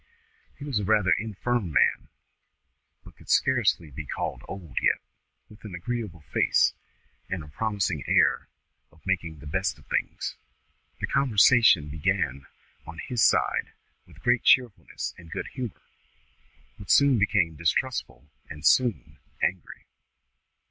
He was a rather infirm man, but could scarcely be called old yet, with an agreeable face and a promising air of making the best of things. The conversation began on his side with great cheerfulness and good humour, but soon became distrustful, and soon angry.